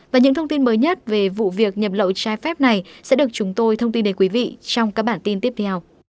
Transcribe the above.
và những thông tin mới nhất về vụ việc nhập lậu trái phép này sẽ được chúng tôi thông tin đến quý vị trong các bản tin tiếp theo